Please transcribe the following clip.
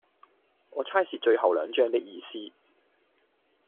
我猜是最後兩張的意思